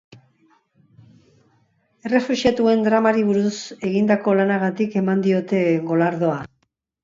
Errefuxiatuen dramari buruz egindako lanagatik eman diote golardoa.